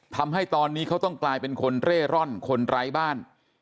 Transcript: ทำให้ตอนนี้เขาต้องกลายเป็นคนเร่ร่อนคนไร้บ้าน